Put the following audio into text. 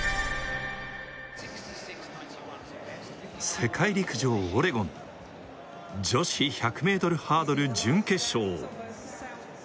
世界陸上オレゴン女子１００ｍハードル準決勝